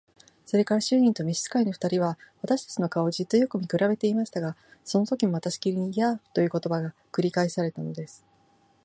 それから主人と召使の二人は、私たちの顔をじっとよく見くらべていましたが、そのときもまたしきりに「ヤーフ」という言葉が繰り返されたのです。